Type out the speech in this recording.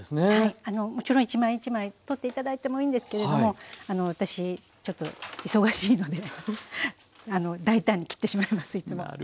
はいあのもちろん一枚一枚取って頂いてもいいんですけれどもあの私ちょっと忙しいので大胆に切ってしまいますいつも。